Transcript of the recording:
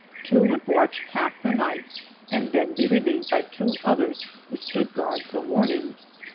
Two would watch half the night and then be relieved by two others who stood guard till morning.